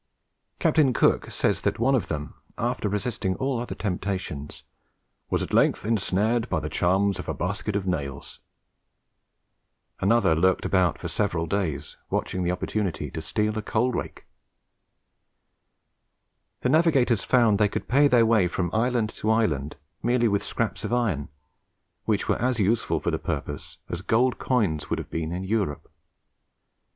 Captain Cook says that one of them, after resisting all other temptations, "was at length ensnared by the charms of basket of nails." Another lurked about for several days, watching the opportunity to steal a coal rake. The navigators found they could pay their way from island to island merely with scraps of iron, which were as useful for the purpose as gold coins would have been in Europe.